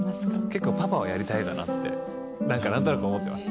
結構パパはやりたいかなって何か何となく思ってます。